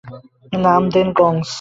নাম দেন কংস।